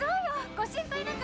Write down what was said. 「ご心配なく。